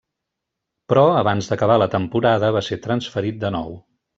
Però, abans d'acabar la temporada va ser transferit de nou.